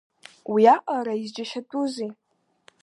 Уиаҟара изџьашьатәузеи!